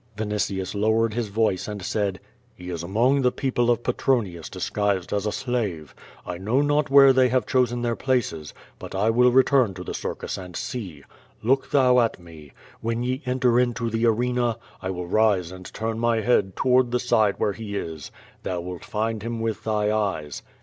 ^' Vinitius lowered his voice and said: "He is among the people of Petrouius disguised as a slave. I know not where they have chosen their places, but I will re turn to the circus and see. Look thou at me. AVhen ye en ter into the arena, I will rise and turn my head toward the side where he is. Thou wilt find him with thy eyes."